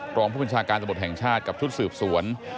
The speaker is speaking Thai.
รองผู้บัญชาการตำรวจแห่งชาติกับชุดสืบสวน